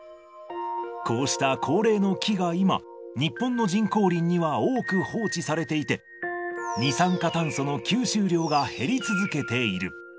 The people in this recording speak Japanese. こうした高齢の木が今、日本の人工林には多く放置されていて、二酸化炭素の吸収量が減り続けている。